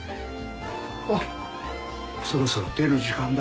あっそろそろ出る時間だ。